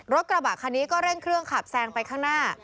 รถกระบะคันนี้ก็เร่งเครื่องขับแซงไปข้างหน้า